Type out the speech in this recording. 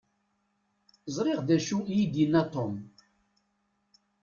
Ẓriɣ d acu i d-yenna Tom.